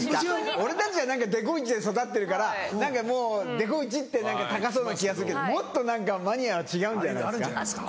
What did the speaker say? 俺たちはデゴイチで育ってるから何かもうデゴイチって高そうな気がするけどもっと何かマニアは違うんじゃないですか？